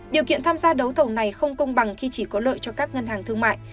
điều kiện tham gia đấu thầu này không công bằng khi chỉ có lợi cho các ngân hàng thương mại